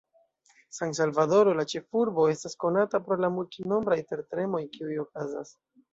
San-Salvadoro, la ĉefurbo, estas konata pro la multnombraj tertremoj kiuj okazas.